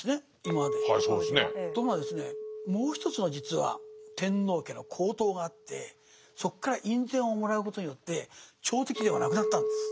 もうひとつの実は天皇家の皇統があってそこから院宣をもらうことによって朝敵ではなくなったんです。